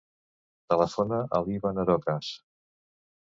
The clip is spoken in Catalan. Telefona a l'Evan Arocas.